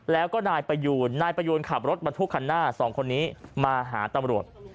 แล้วก็นายประยูนขับรถบันทุกขันหน้า๒คนนี้มาหาตำรวจ